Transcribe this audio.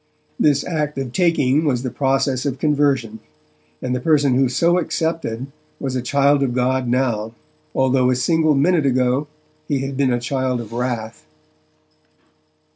This act of taking was the process of conversion, and the person who so accepted was a child of God now, although a single minute ago he had been a child of wrath.